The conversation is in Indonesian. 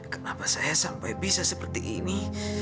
kenapa saya sampai bisa seperti ini